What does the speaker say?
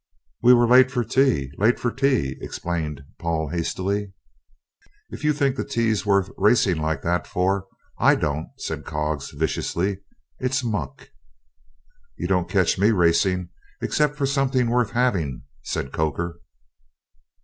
"We were late for tea late for tea," explained Paul hastily. "If you think the tea worth racing like that for, I don't," said Coggs viciously; "it's muck." "You don't catch me racing, except for something worth having," said Coker.